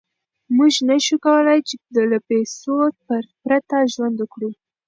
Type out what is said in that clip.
موږ نشو کولای له پیسو پرته ژوند وکړو.